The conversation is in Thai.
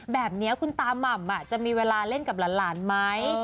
แบบนี้คุณตาม่ำจะมีเวลาเล่นกับหลานไหม